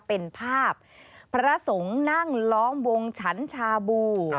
เป็นภาพพระสงฆ์นั่งล้อมวงฉันชาบู